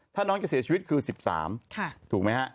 ถ้าน้องจะเสียชีวิตคือ๑๓ถูกไหมฮะ